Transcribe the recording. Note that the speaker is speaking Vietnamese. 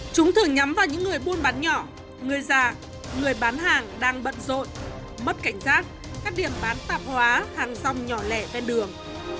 chúng thường nhắm vào những người buôn bán nhỏ người già người bán hàng đang bận rộn mất cảnh giác các điểm bán tạp hóa hàng rong nhỏ lẻ ven đường